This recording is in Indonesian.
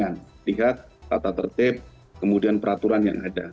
dengan lihat tata tertib kemudian peraturan yang ada